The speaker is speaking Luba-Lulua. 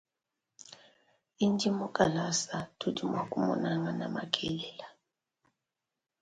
Indi mu kalasa tudi muakumunangana makelela.